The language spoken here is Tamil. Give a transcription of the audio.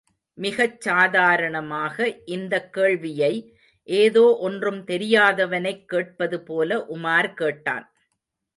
மிகச் சாதாரணமாக இந்தக் கேள்வியை, ஏதோ ஒன்றும் தெரியாதவனைக் கேட்பது போல உமார் கேட்டான்.